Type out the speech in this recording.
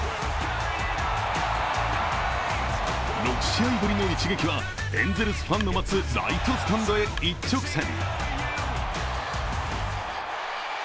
６試合ぶりの一撃はエンゼルスファンの待つライトスタンドへ一直線。